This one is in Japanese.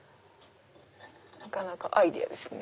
なかなかアイデアですね。